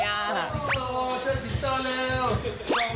เชื่อสิ่งต่อเชื่อสิ่งต่อแล้ว